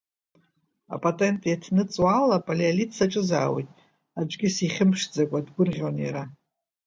Апатент иаҭныҵуа ала апалеолит саҿызаауеит, аӡәгьы сихьымԥшӡакәа, дгәырӷьон иара.